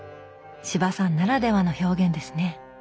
司馬さんならではの表現ですね